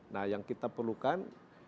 nah yang kita perlukan